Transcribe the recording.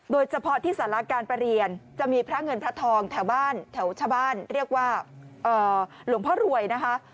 โดยเฉพาะที่สาระการประเรียนจะมีพระเงินพระทองแถวบ้านแถวชาวบ้านเรียกว่าหลวงพ่อรวยนะคะ